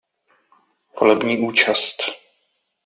Volební účast.